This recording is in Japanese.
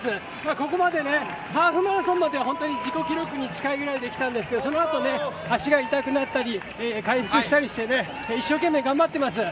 ここまでハーフマラソンまでは自己記録に近いくらいまできましたがそのあと足がいたくなったり回復したりして一生懸命頑張ってます。